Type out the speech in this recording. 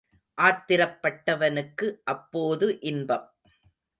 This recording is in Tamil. ஆத்திரப் பட்டவனுக்கு அப்போது இன்பம்.